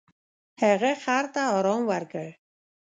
هغه خر ته ارام ورکړ.